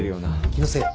気のせい。